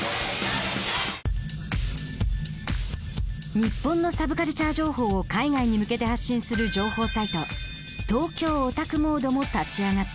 日本のサブカルチャー情報を海外に向けて発信する情報サイト「ＴｏｋｙｏＯｔａｋｕＭｏｄｅ」も立ち上がった。